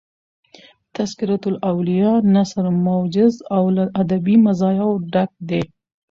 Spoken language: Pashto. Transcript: "تذکرةالاولیاء" نثر موجز او له ادبي مزایاو ډک دﺉ.